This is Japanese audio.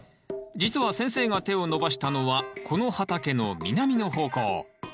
実は先生が手を伸ばしたのはこの畑の南の方向。